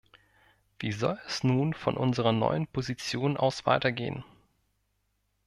Wie soll es nun von unserer neuen Position aus weitergehen?